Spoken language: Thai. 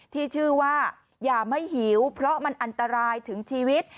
ที่ชื่อว่าอย่าไม่หิวเพราะมันอันตรายถึงชีวิต